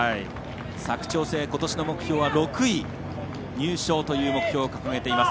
佐久長聖、ことしの目標は６位入賞という目標を掲げています。